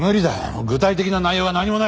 具体的な内容が何もない。